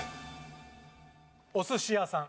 お寿司屋さん